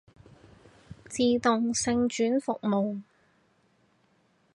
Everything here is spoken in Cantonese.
自動性轉服務